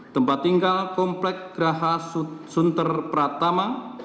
tempat tinggal komplek graha sunter pratama